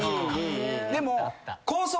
でも。